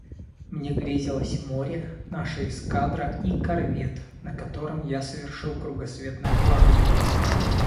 Мне грезилось море, наша эскадра и корвет, на котором я совершил кругосветное плавание.